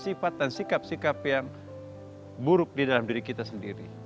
untuk menguburkan seluruh sifat sifat dan sikap sikap yang buruk di dalam diri kita sendiri